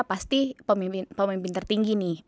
pasti pemimpin tertinggi nih